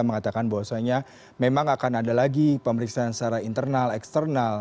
mengatakan bahwasannya memang akan ada lagi pemeriksaan secara internal eksternal